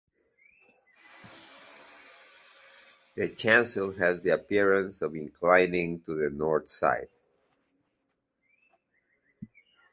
The chancel has the appearance of inclining to the north side.